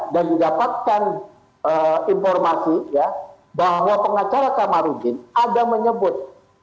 dan didapatkan informasi bahwa pengacara kamarudin ada menyebut